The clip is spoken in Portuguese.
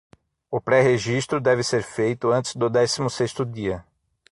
O pré-registro deve ser feito antes do décimo sexto dia.